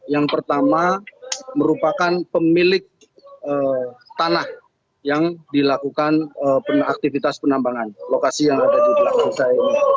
yang pertama merupakan pemilik tanah yang dilakukan aktivitas penambangan lokasi yang ada di belakang saya ini